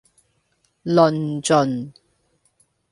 論盡